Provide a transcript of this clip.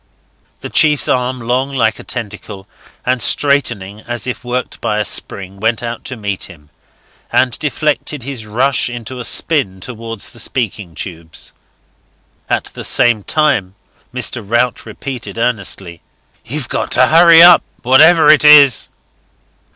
The chief's arm, long like a tentacle, and straightening as if worked by a spring, went out to meet him, and deflected his rush into a spin towards the speaking tubes. At the same time Mr. Rout repeated earnestly: "You've got to hurry up, whatever it is."